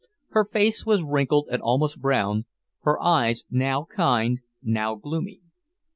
Her face was wrinkled and almost brown, her eyes now kind, now gloomy.